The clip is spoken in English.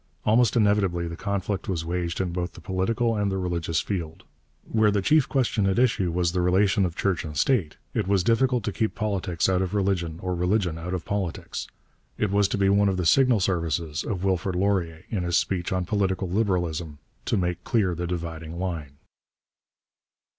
Almost inevitably the conflict was waged in both the political and the religious field. Where the chief question at issue was the relation of church and state, it was difficult to keep politics out of religion or religion out of politics. It was to be one of the signal services of Wilfrid Laurier, in his speech on Political Liberalism, to make clear the dividing line.